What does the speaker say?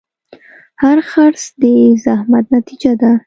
هر خرڅ د زحمت نتیجه ده.